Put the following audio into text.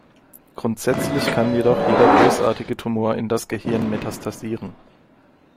Grundsätzlich kann jedoch jeder bösartige Tumor in das Gehirn metastasieren.